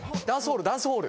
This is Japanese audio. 「ダンスホール」